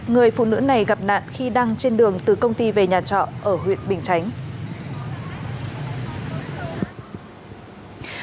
người phụ nữ này gặp nạn khi đang trên đường từ công ty về nhà trọ ở huyện bình chánh